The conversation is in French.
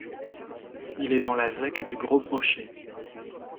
Il est dans la zec du Gros-Brochet.